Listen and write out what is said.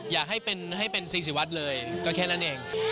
อยากให้เป็นซีศิวัตรเลยก็แค่นั้นเอง